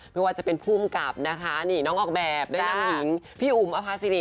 ไม่ว่าจะเป็นผู้กลับน้องออกแบบแนะนำหญิงพี่อุ๋มอภาษีรี